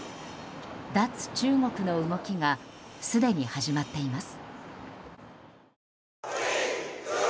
脱中国の動きがすでに始まっています。